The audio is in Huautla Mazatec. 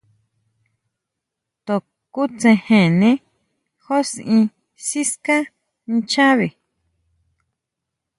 To kutsejene júsʼi siská nchabe.